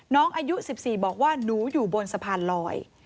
น้องอายุ๑๔บอกว่าหนูอยู่บนสะพานลอย